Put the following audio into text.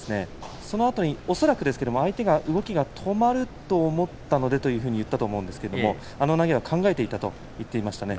そのあとに恐らくですけれど相手の動きが止まると思ったのでと言ったと思うんですけれどあの投げは考えていたと言っていましたね。